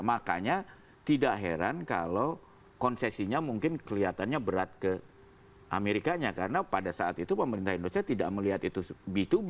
makanya tidak heran kalau konsesinya mungkin kelihatannya berat ke amerikanya karena pada saat itu pemerintah indonesia tidak melihat itu b dua b